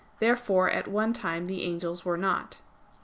Therefore at one time the angels were not.